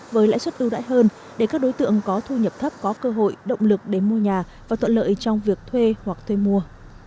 với lãi suất ưu đãi hơn để các đối tượng có thu nhập thấp có cơ hội động lực để mua nhà và thuận lợi trong việc thuê hoặc thuê mua